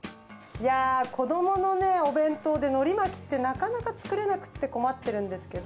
子どものお弁当でのり巻きってなかなか作れなくって困ってるんですけど。